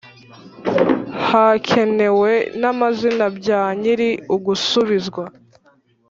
Hakenewe n’amazina bya nyiri ugusubizwa